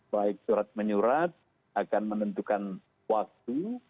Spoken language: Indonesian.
baik surat menyurat akan menentukan waktu